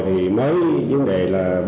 thì mới vấn đề là